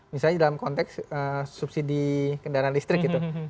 misalnya dalam konteks subsidi kendaraan listrik gitu